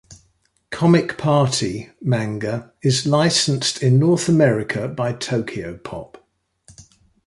"Comic Party" manga is licensed in North America by Tokyopop.